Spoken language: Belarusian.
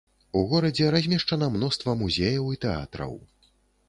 У горадзе размешчана мноства музеяў і тэатраў.